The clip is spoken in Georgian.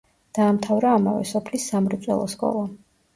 დაამთავრა ამავე სოფლის სამრეწველო სკოლა.